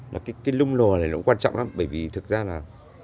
cái lung lò này nó cũng quan trọng lắm bởi vì thực ra là